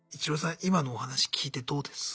今のお話聞いてどうです？